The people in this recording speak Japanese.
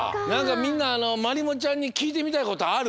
みんなまりもちゃんにきいてみたいことある？